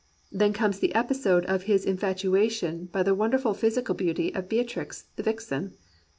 Then comes the episode of his in fatuation by the wonderful physical beauty of Bea trix, the vixen.